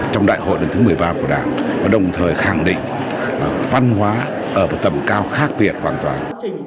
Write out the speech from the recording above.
trong đại hội lần thứ một mươi ba của đảng và đồng thời khẳng định văn hóa ở một tầm cao khác biệt hoàn toàn